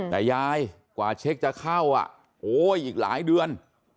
แต่ยายกว่าเช็คจะเข้าโอ้ยอีกหลายเดือน